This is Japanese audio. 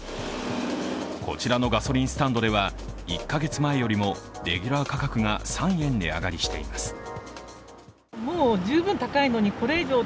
こちらのガソリンスタンドでは１カ月前よりもレギュラー価格が３円値上がりしています。